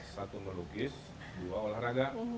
satu melukis dua olahraga